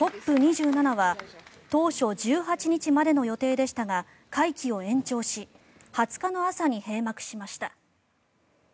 ２７は当初、１８日までの予定でしたが会期を延長し２０日の朝に閉幕しました。